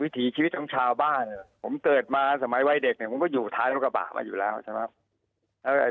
ถีชีวิตของชาวบ้านผมเกิดมาสมัยวัยเด็กเนี่ยผมก็อยู่ท้ายรถกระบะมาอยู่แล้วใช่ไหม